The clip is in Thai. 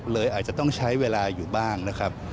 เลยอาจจะต้องใช้เวลาอยู่บ้างนะครับ